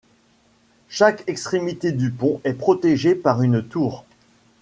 Chaque extrémité du pont est protégée par une tour.